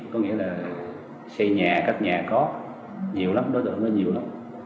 có nghĩa là xây nhà cách nhà có nhiều lắm đối tượng nó nhiều lắm